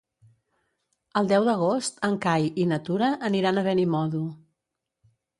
El deu d'agost en Cai i na Tura aniran a Benimodo.